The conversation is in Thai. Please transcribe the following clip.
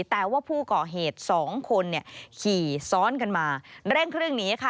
แต่ว่าผู้ก่อเหตุ๒คนขี่ซ้อนกันมาเร่งครึ่งหนี